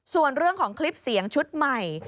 ส่วนเรื่องของคลิปเสียงชุดใหม่